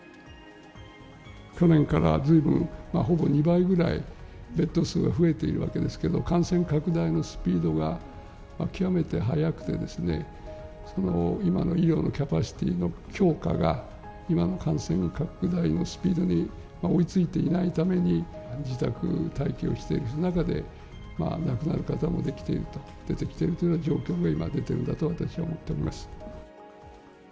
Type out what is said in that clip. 去年からずいぶん、ほぼ２倍ぐらい、ベッド数が増えているわけですけれども、感染拡大のスピードが極めて速くてですね、今の医療のキャパシティーの強化が、今の感染の拡大のスピードに追いついていないために、自宅待機をしている中で亡くなる方も出てきているというような状況が今出ているんだと、私は思っております。